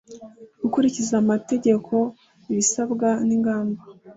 Gukurikiza amategeko ibisabwa n ingamba